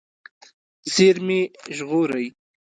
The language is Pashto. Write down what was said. زیرمې ژغورئ.